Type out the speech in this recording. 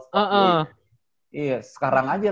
sport club iya sekarang aja